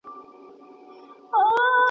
د عادل پاچا په نوم یې وو بللی!